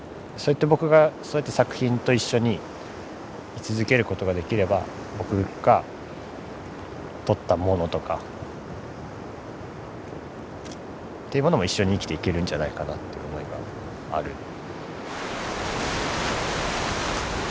そうやって僕がそうやって作品と一緒に居続けることができれば僕が撮ったものとかっていうものも一緒に生きていけるんじゃないかなっていう思いがある。